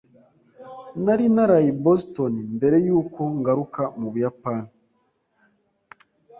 Nari naraye i Boston mbere yuko ngaruka mu Buyapani.